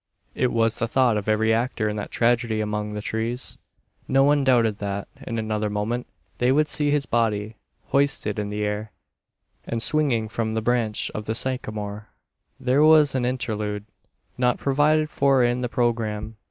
It was the thought of every actor in that tragedy among the trees. No one doubted that, in another moment, they would see his body hoisted into the air, and swinging from the branch of the sycamore. There was an interlude, not provided for in the programme.